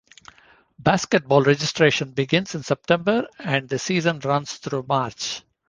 Basketball registration begins in September and the season runs through March.